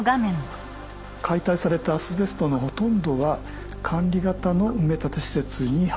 解体されたアスベストのほとんどは管理型の埋め立て施設に運ばれます。